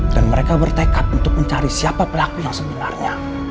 dan mereka bertekad untuk mencari siapa pelaku yang sebenarnya